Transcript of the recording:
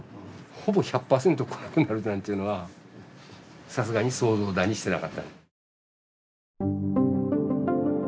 ほぼ１００％来なくなるなんていうのはさすがに想像だにしてなかった。